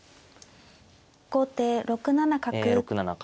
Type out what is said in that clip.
後手６七角。